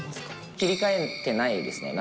切り替えてないですね。